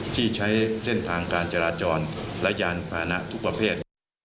ที่ใช้เส้นทางการจราจรและยานพานะทุกประเภท